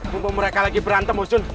mumpung mereka lagi berantem bosun